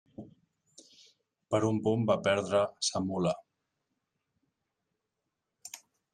Per un punt va perdre sa mula.